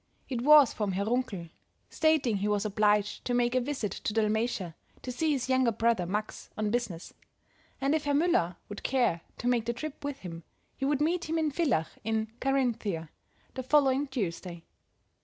It was from Herr Runkel, stating he was obliged to make a visit to Dalmatia to see his younger brother Max on business, and if Herr Müller would care to make the trip with him, he would meet him at Villach in Carinthia the following Tuesday.